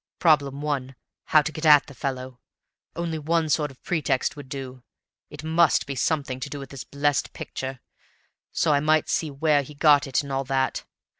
Problem one, how to get at the fellow. Only one sort of pretext would do it must be something to do with this blessed picture, so that I might see where he'd got it and all that.